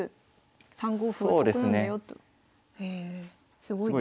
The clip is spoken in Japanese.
すごいですね。